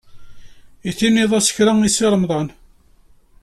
I tinid-as kra i Si Remḍan?